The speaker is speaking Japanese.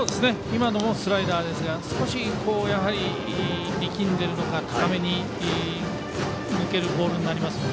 今のもスライダーですがやはり、少し力んでいるのか高めに抜けるボールになりますね。